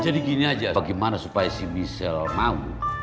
jadi gini aja bagaimana supaya michelle mau